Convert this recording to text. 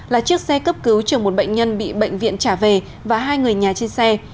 là chiếc xe cấp cứu chờ một bệnh nhân bị bệnh viện trả về và hai người nhà trên xe